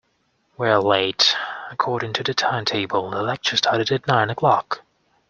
We're late! According to the timetable, the lecture started at nine o'clock